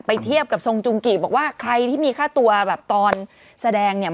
เทียบกับทรงจุงกิบอกว่าใครที่มีค่าตัวแบบตอนแสดงเนี่ย